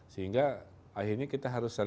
sehingga akhirnya kita harus